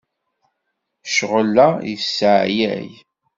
Ccɣel-a yesseɛyay.